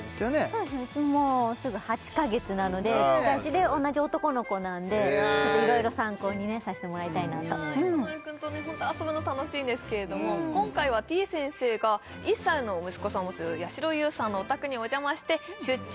そうですねうちもうすぐ８カ月なので近いしで同じ男の子なんでちょっといろいろ参考にねさせてもらいたいなとやさ丸くんとねホント遊ぶの楽しいんですけれども今回はてぃ先生が１歳の息子さんをお持ちのやしろ優さんのお宅にお邪魔して出張！